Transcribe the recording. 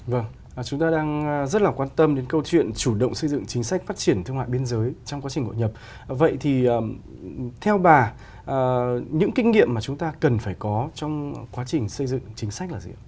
vâng chúng ta đang rất là quan tâm đến câu chuyện chủ động xây dựng chính sách phát triển thương mại biên giới trong quá trình hội nhập vậy thì theo bà những kinh nghiệm mà chúng ta cần phải có trong quá trình xây dựng chính sách là gì ạ